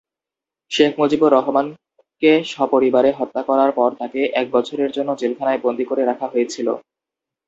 শেখ মুজিবুর রহমানকে সপরিবারে হত্যা করার পর তাকে এক বছরের জন্য জেলখানায় বন্দী করে রাখা হয়েছিল।